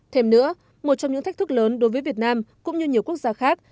thêm nữa một trong những thách thức lớn đối với việt nam cũng như nhiều quốc gia khác